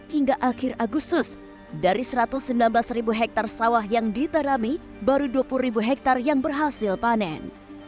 hingga akhir agustus dari satu ratus sembilan belas ribu hektare sawah yang ditanami baru dua puluh ribu hektare yang berhasil panen